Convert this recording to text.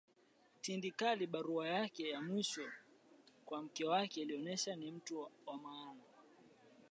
tindikali hata barua yake ya mwisho kwa mke wake ilionyesha ni mtu wa namna